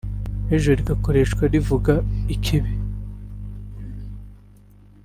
ejo rigakoreshwa rivuga ikibi